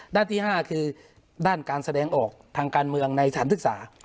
ด้านที่๕คือด้านการแสดงออกทางการเมืองในสถานศึกษา